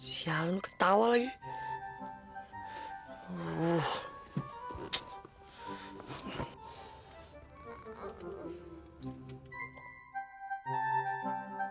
sialan lu ketawa lagi